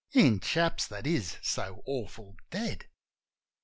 In chaps' that is so awful dead.